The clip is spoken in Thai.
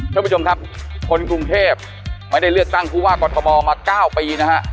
ท่านผู้ชมครับคนกรุงเทพไม่ได้เลือกตั้งผู้ว่ากรทมมา๙ปีนะฮะ